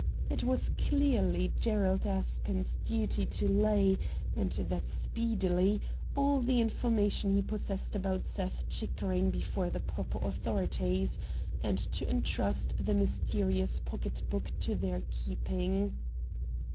It was clearly Gerald Aspen's duty to lay, and that speedily, all the information he possessed about Seth Chickering before the proper authorities, and to entrust the myste rious pocket book to their keeping.